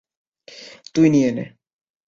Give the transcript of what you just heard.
তুই নিয়ে নে।